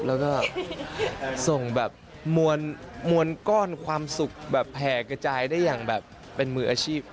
แล้วก็ส่งแบบมวลก้อนความสุขแบบแผ่กระจายได้อย่างแบบเป็นมืออาชีพ